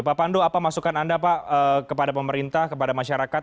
pak pandu apa masukan anda pak kepada pemerintah kepada masyarakat